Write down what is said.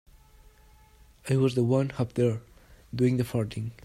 I was the one up there doing the farting.